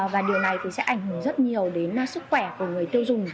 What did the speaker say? và điều này thì sẽ ảnh hưởng rất nhiều đến sức khỏe của người tiêu dùng